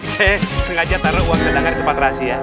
saya sengaja taruh uang sedangkan di tempat rahasia